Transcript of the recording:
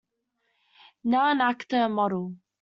Now an actor and model.